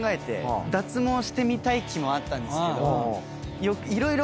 脱毛してみたい気もあったんですけど。